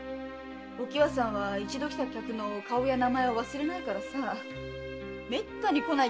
お喜和さんは一度来た客の顔や名前を忘れないからさめったに来ない